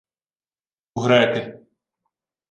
— У греки.